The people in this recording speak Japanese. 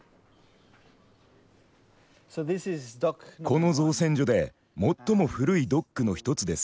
この造船所で最も古いドックの一つです。